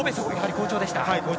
好調でした。